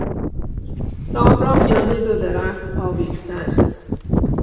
تاب را میان دو درخت آویختن